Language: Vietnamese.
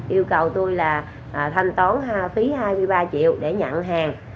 yêu cầu tôi là thanh toán phí hai mươi ba triệu để nhận hàng